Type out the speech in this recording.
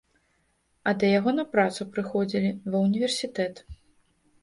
А да яго на працу прыходзілі, ва ўніверсітэт.